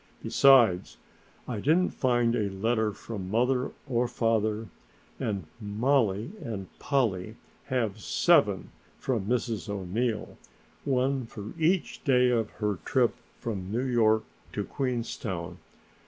Besides, I didn't find a letter from mother or father, and Mollie and Polly have seven from Mrs. O'Neill, one for each day of her trip from New York to Queenstown.